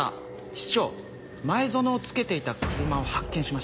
室長前薗をつけていた車を発見しました。